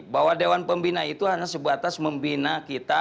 bahwa dewan pembina itu hanya sebatas membina kita